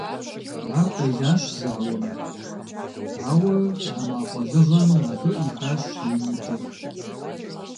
Ар къелащ зауэм, ауэ а мафӀэ лыгъэм абы Ӏихащ и нитӀыр.